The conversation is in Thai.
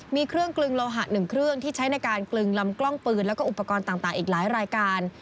มีเครื่องกลึงโลหะหนึ่งเครื่องที่ใช้ในการกลึงลำกล้องปืนแล้วก็อุปกรณ์ต่างอีกหลายรายการ